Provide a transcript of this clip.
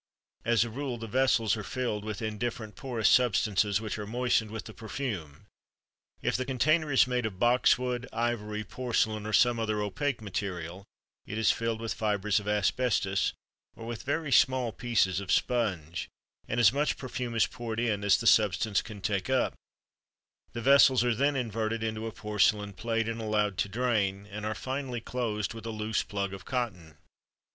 As a rule the vessels are filled with indifferent porous substances which are moistened with the perfume. If the container is made of box wood, ivory, porcelain, or some other opaque material, it is filled with fibres of asbestos or with very small pieces of sponge, and as much perfume is poured in as the substance can take up; the vessels are then inverted into a porcelain plate and allowed to drain, and are finally closed with a loose plug of cotton.